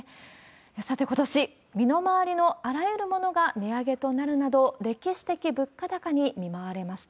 さて、ことし、身の回りのあらゆるものが値上げとなるなど、歴史的な物価高に見舞われました。